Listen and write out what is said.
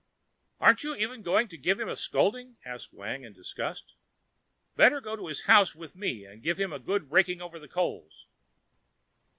"Aren't you even going to give him a scolding?" asked Wang in disgust. "Better go to his house with me and give him a good raking over the coals."